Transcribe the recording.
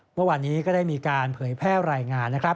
เมื่อวานนี้ก็ได้มีการเผยแพร่รายงานนะครับ